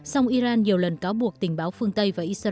song iran nhiều lần cáo buộc tình báo phương tây và israel